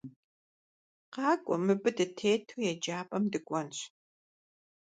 Къакӏуэ, мыбы дытету еджапӏэм дыкӏуэнщ!